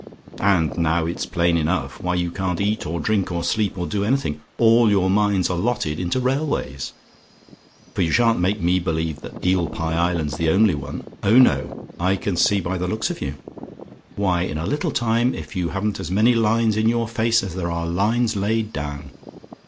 "And now it's plain enough why you can't eat or drink, or sleep, or do anything. All your mind's allotted into railways; for you shan't make me believe that Eel Pie Island's the only one. Oh, no! I can see by the looks of you. Why, in a little time, if you haven't as many lines in your face as there are lines laid down!